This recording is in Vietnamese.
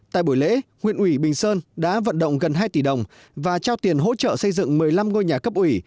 tại buổi lễ huyện ủy bình sơn đã vận động gần hai tỷ đồng và trao tiền hỗ trợ xây dựng một mươi năm ngôi nhà cấp ủy